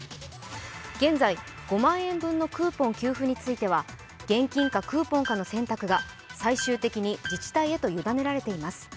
現在、５万円分のクーポン給付については現金かクーポンかの選択が最終的に自治体へと委ねられています。